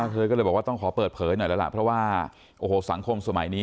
เธอก็เลยบอกว่าต้องขอเปิดเผยหน่อยแล้วล่ะเพราะว่าโอ้โหสังคมสมัยนี้